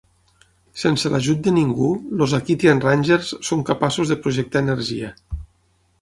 Sense l'ajut de ningú, els Aquitian Rangers són capaços de projectar energia.